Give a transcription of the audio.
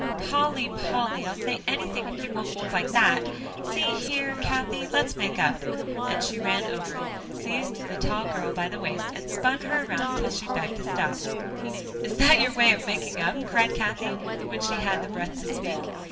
"Polly, Polly, I'll say anything if you won't look like that. See here, Cathie, let's make up," and she ran over, seized the tall girl by the waist and spun her around till she begged to stop. "Is that your way of making up?" cried Cathie, when she had the breath to speak.